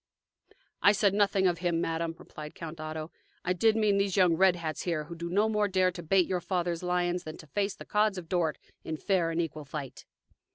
"I said nothing of him, madam," replied Count Otto. "I did mean these young red hats here, who do no more dare to bait your father's lions than to face the Cods of Dort in fair and equal fight."